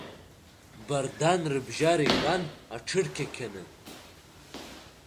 Бардан рыбжьара итәан аҽырқьақьаны.